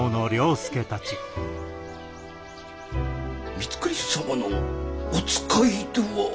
光圀様のお使いでは？